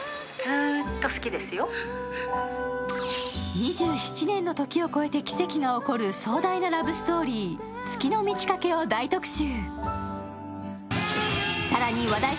２７年のときを超えて奇跡が起こる壮大なラブストーリー、「月の満ち欠け」を大特集。